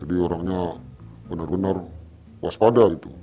jadi orangnya benar benar waspada itu